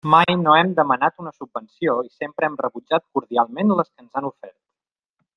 Mai no hem demanat una subvenció i sempre hem rebutjat cordialment les que ens han ofert.